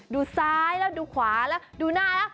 ดูซ้ายแล้วดูขวาแล้วดูหน้าแล้ว